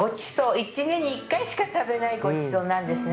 一年に一回しか食べないごちそうなんですね。